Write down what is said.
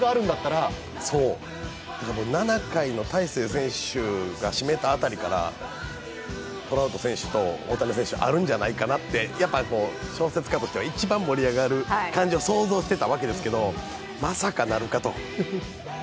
７回の大勢選手が締めた辺りからトラウト選手と大谷選手、あるんじゃないかなって小説家としては一番盛り上がる感じを想像していたわけですけど、まさかなるかと。